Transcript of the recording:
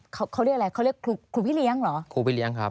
เขาเรียกอะไรเขาเรียกครูพี่เลี้ยงเหรอ